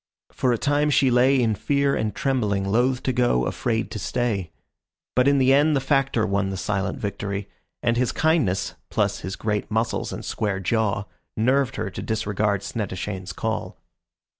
For a time she lay in fear and trembling, loath to go, afraid to stay. But in the end the Factor won the silent victory, and his kindness plus his great muscles and square jaw, nerved her to disregard Snettishane's call.